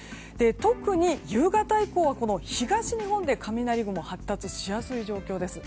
特に夕方以降、東日本で雷雲が発達しやすい状況です。